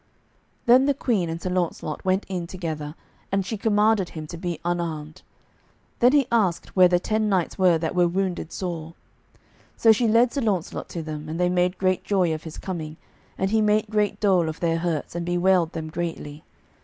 Then the Queen and Sir Launcelot went in together, and she commanded him to be unarmed. Then he asked where the ten knights were that were wounded sore. So she led Sir Launcelot to them, and they made great joy of his coming, and he made great dole of their hurts, and bewailed them greatly.